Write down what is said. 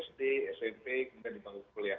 sd smp kemudian di